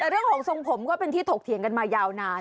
แต่เรื่องของทรงผมก็เป็นที่ถกเถียงกันมายาวนาน